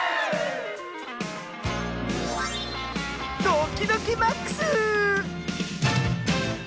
ドキドキマックス！